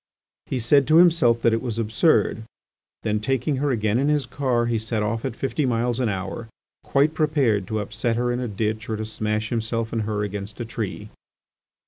He said to himself that it was absurd; then, taking her again in his car he set off at fifty miles an hour quite prepared to upset her in a ditch or to smash himself and her against a tree.